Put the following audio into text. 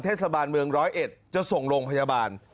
เทศบาลเมืองร้อยเอ็ดจะส่งโรงพยาบาล